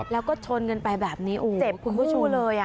แล้วก็ชนกันไปแบบนี้โอ้คุณผู้ชมเจ็บคู่เลย